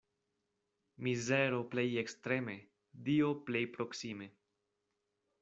Mizero plej ekstreme, Dio plej proksime.